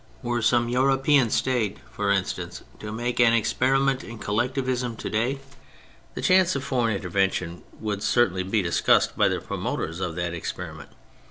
Were some European State, for instance, to make an experiment in Collectivism to day, the chance of foreign intervention would cer tainly be discussed by the promoters of that experiment.